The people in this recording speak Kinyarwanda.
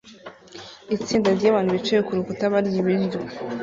Itsinda ryabantu bicaye kurukuta barya ibiryo